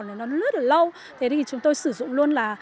nó lướt ở lâu thì chúng tôi sử dụng luôn là